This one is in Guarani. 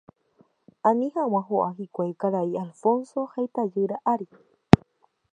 Ani hag̃ua ho'a hikuái karai Alfonso ha itajýra ári